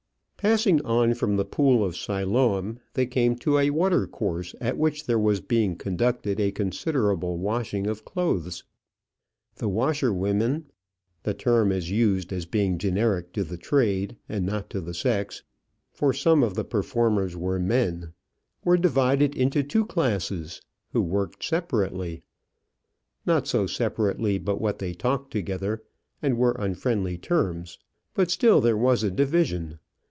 Passing on from the pool of Siloam, they came to a water course at which there was being conducted a considerable washing of clothes. The washerwomen the term is used as being generic to the trade and not to the sex, for some of the performers were men were divided into two classes, who worked separately; not so separately but what they talked together, and were on friendly terms; but still there was a division.